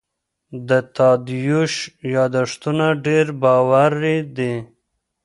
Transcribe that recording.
د تادیوش یادښتونه ډېر باوري دي.